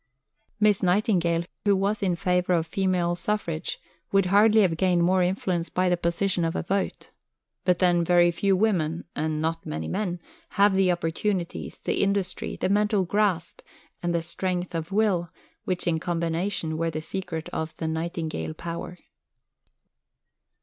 Miss Nightingale, who was in favour of Female Suffrage, would hardly have gained more influence by the possession of a vote. But then very few women, and not many men, have the opportunities, the industry, the mental grasp, and the strength of will which in combination were the secret of "the Nightingale power."